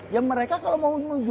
ya mereka kalau mau juara ya kayak gitu